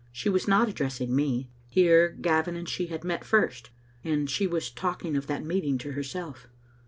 She was not addressing me. Here Gavin and she had met first, and she was talking of that meeting to herself.